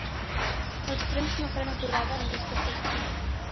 Els trens no faran aturada en aquesta estació.